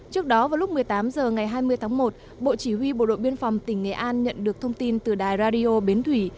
trước đó vào lúc một mươi tám h ngày hai mươi tháng một bộ chỉ huy bộ đội biên phòng tỉnh nghệ an nhận được thông tin từ đài radio bến thủy